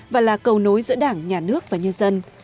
và là cầu nối giữa đảng nhà nước và nhân dân